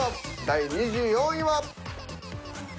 第２４位は。